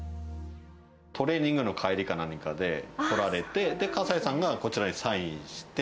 トレーニングの帰りかなんかで来られて、葛西さんがこちらにサインして。